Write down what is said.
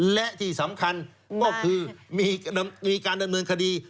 และที่สำคัญก็คือมีการดำเนินคดี